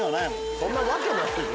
そんなわけない！